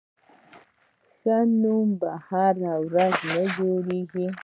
ښه نوم په یوه ورځ نه جوړېږي.